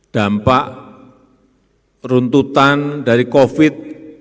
dampak runtutan dari covid sembilan belas